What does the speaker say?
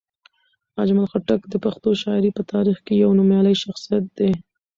اجمل خټک د پښتو شاعرۍ په تاریخ کې یو نومیالی شخصیت دی.